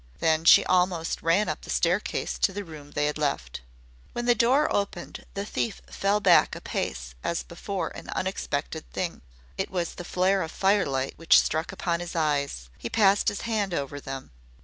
Then she almost ran up the staircase to the room they had left. When the door opened the thief fell back a pace as before an unexpected thing. It was the flare of firelight which struck upon his eyes. He passed his hand over them.